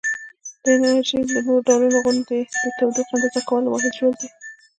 د انرژي د نورو ډولونو غوندې د تودوخې اندازه کولو واحد ژول دی.